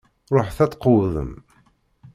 Ruḥet ad tqewwdem!